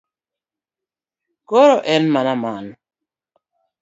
Koro en mana mano.